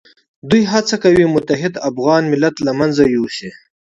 دوی هڅه کوي متحد افغان ملت له منځه یوسي.